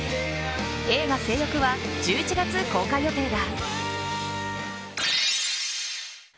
映画「正欲」は１１月公開予定だ。